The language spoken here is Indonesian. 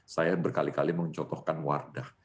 saya berkali kali mencontohkan wardah